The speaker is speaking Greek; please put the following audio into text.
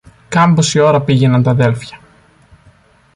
Κάμποση ώρα πήγαιναν τ' αδέλφια.